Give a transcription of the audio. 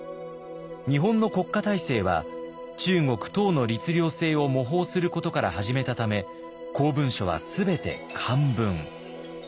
日本の国家体制は中国・唐の律令制を模倣することから始めたため公文書は全て漢文。